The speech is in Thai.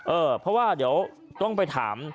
เออเพราะว่าเดี๋ยวต้องไปถาม